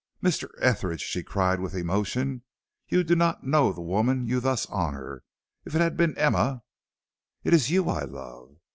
"Mr. Etheridge," she cried with emotion, "you do not know the woman you thus honor. If it had been Emma " "It is you I love."